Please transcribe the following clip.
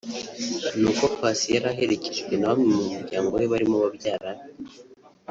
ni uko Paccy yari aherekejwe na bamwe mu muryango we barimo babyara be